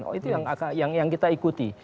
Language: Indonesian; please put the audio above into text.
oh itu yang kita ikuti